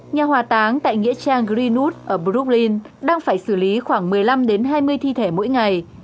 nhà hỏa táng tại nghĩa trang greenwood ở brooklyn đang phải xử lý khoảng một mươi năm hai mươi thi thể mỗi ngày